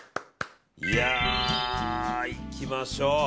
いやー、いきましょう。